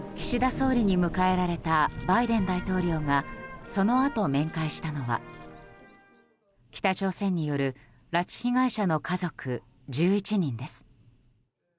総理に迎えられたバイデン大統領がそのあと面会したのは北朝鮮による拉致被害者の家族１１人です。